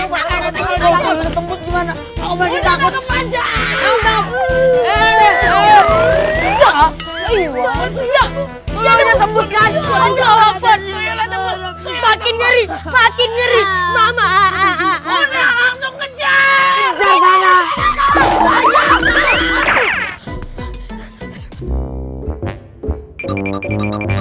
makin ngeri ngeri mama langsung kejar kejar sana